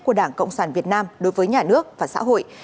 của đảng cộng sản việt nam đối với nhà nước và xã hội